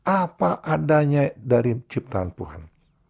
apa adanya dari ciptaan tuhan